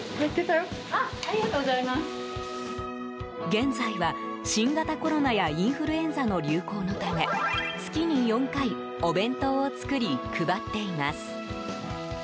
現在は、新型コロナやインフルエンザの流行のため月に４回、お弁当を作り配っています。